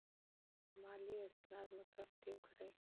مالي اسناد مو ترتیب کړئ.